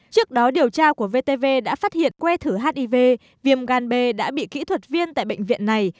trước đó điều tra của vtv đã phát hiện que thử hiv viêm gan b đã bị kỹ thuật viên tại bệnh viện này